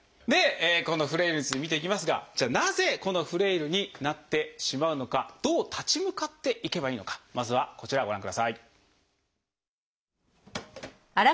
このフレイルについて見ていきますがじゃあなぜこのフレイルになってしまうのかどう立ち向かっていけばいいのかまずはこちらご覧ください。